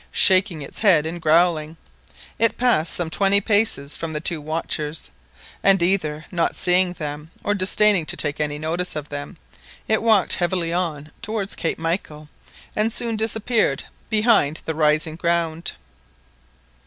Shaking its head and growling, it passed some twenty paces from the two watchers, and, either not seeing them or disdaining to take any notice of them, it walked heavily on towards Cape Michael, and soon disappeared behind the rising ground.